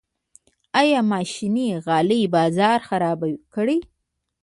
آیا ماشیني غالۍ بازار خراب کړی؟